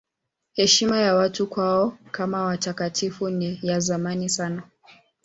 Heshima ya watu kwao kama watakatifu ni ya zamani sana.